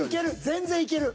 全然いける。